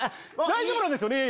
大丈夫なんですよね？